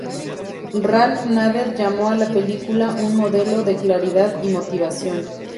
Ralph Nader llamó a la película "un modelo de claridad y motivación".